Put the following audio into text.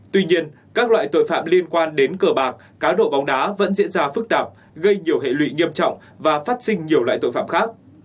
tuy nhiên các loại tội phạm liên quan đến cờ bạc cá độ bóng đá vẫn diễn ra phức tạp gây nhiều hệ lụy nghiêm trọng và phát sinh nhiều loại tội phạm khác